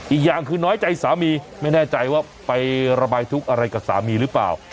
อีกอย่างคือน้อยใจสามีไม่แน่ใจว่าไประบายทุกข์อะไรกับสามีหรือเปล่า